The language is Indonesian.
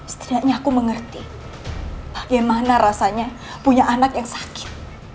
setidaknya aku mengerti bagaimana rasanya punya anak yang sakit